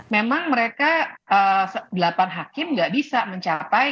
memang mereka delapan hakim nggak bisa mencapai